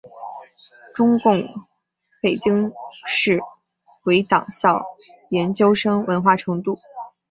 中共北京市委党校研究生文化程度。